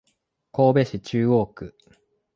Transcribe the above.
神戸市中央区